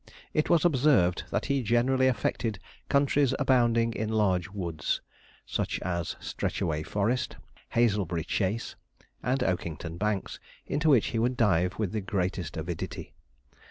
It was observed that he generally affected countries abounding in large woods, such as Stretchaway Forest, Hazelbury Chase, and Oakington Banks, into which he would dive with the greatest avidity.